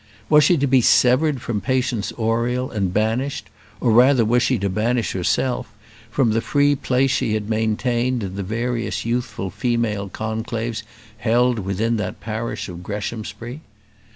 Was she to be severed from Patience Oriel, and banished or rather was she to banish herself from the free place she had maintained in the various youthful female conclaves held within that parish of Greshamsbury?